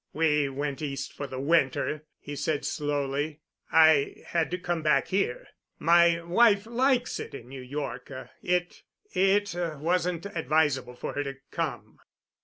"We went East for the winter," he said slowly. "I had to come back here. My wife likes it in New York. It—it wasn't advisable for her to come."